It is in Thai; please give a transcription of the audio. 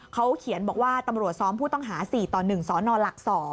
เขาเขียนบอกว่าตำรวจซ้อมผู้ต้องหา๔ต่อ๑สนหลัก๒